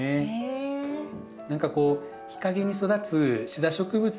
何かこう日陰に育つシダ植物